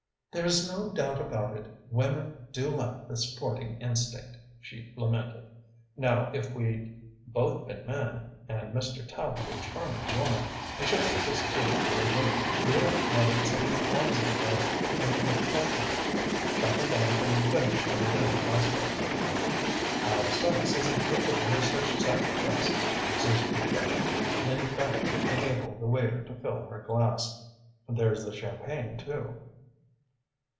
"There is no doubt about it, women do lack the sporting instinct," she lamented. "Now if we'd both been men, and Mr. Tallente a charming woman, I should have just given you a wink, you would have muttered something clumsy about an appointment, shuffled off and finished your dinner elsewhere." "Our sex isn't capable of such sacrifices," Susan declared, leaning back to enable the waiter to fill her glass. "There's the champagne, too."